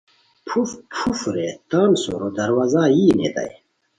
پھوف پھوف رے تان سورو دروازہ یی نیتائے